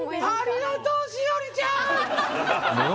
ありがとう栞里ちゃん